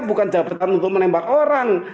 bukan jabatan untuk menembak orang